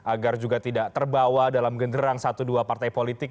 agar juga tidak terbawa dalam genderang satu dua partai politik